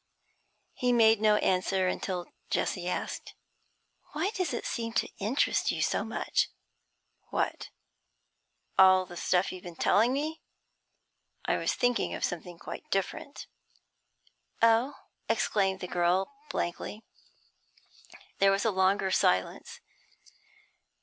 He made no answer, until Jessie asked 'Why does it seem to interest you so much?' 'What? all that stuff you've been telling me? I was thinking of something quite different.' 'Oh!' exclaimed the girl, blankly. There was a longer silence.